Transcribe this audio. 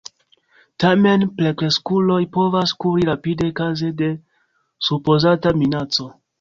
Tamen plenkreskuloj povas kuri rapide kaze de supozata minaco.